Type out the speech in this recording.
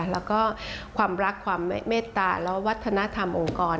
แล้วก็ความรักความเมตตาและวัฒนธรรมองค์กร